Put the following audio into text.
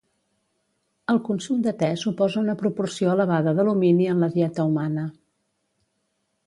El consum de te suposa una proporció elevada d'alumini en la dieta humana.